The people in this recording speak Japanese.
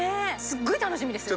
すっごい楽しみです。